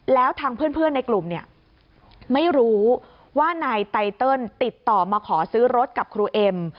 แล้วทางเพื่อนในกลุ่มเนี่ยไม่รู้ว่านายไตเติลติดต่อมาขอซื้อรถกับครูเอ็ม